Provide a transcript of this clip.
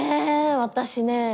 私ね